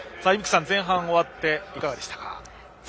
依吹さん、前半終わっていかがでしたか？